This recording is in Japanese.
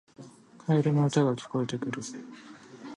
カエルの歌が聞こえてくるよ